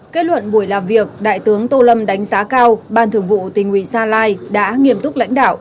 kết luận buổi làm việc đại tướng tô lâm đánh giá cao ban thường vụ tình ủy sa lai đã nghiêm túc lãnh đạo